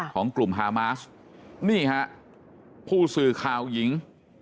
ของกลุ่มฮามาสนี่ฮะผู้สื่อข่าวหญิง